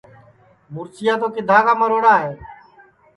مُرچیا تو کِدھا کا مروڑا ہے